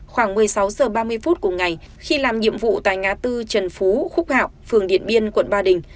khoảng một mươi sáu h ba mươi phút của ngày khi làm nhiệm vụ tại ngã tư trần phú khúc hạo phường điện biên quận ba đình